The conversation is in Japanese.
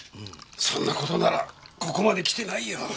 そんな事ならここまで来てないよ。